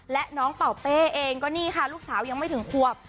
และน้องเป่าเป้เองก็นี่ค่ะลูกสาวยังไม่ถึงควบ